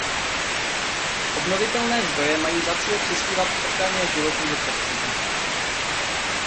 Obnovitelné zdroje mají za cíl přispívat k ochraně životního prostředí.